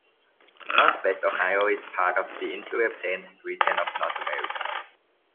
Northwest Ohio is part of the Interior Plains region of North America.